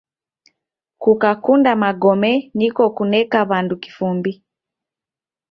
Kukakunda magome niko kuneka w'andu kifumbi.